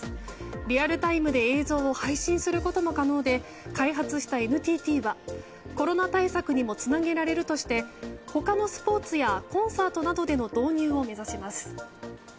リアルタイムで映像を配信することも可能で開発したＮＴＴはコロナ対策にもつなげられるとして他のスポーツやコンサートなどでの導入を目指します。